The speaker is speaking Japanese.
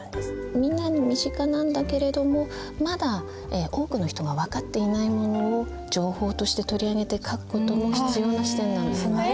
みんなに身近なんだけれどもまだ多くの人が分かっていないものを情報として取り上げて書く事も必要な視点なんですね。